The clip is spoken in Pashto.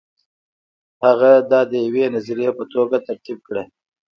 هغه دا د یوې نظریې په توګه ترتیب کړه.